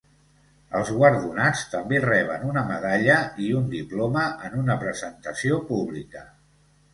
Els guardonats també reben una medalla i un diploma en una presentació pública.